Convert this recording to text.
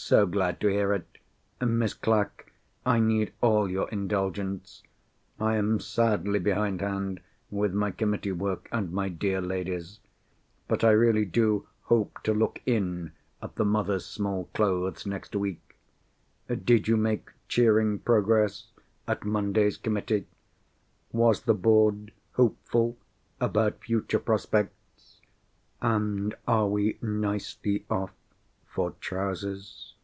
So glad to hear it! Miss Clack, I need all your indulgence. I am sadly behind hand with my Committee Work and my dear Ladies. But I really do hope to look in at the Mothers' Small Clothes next week. Did you make cheering progress at Monday's Committee? Was the Board hopeful about future prospects? And are we nicely off for Trousers?"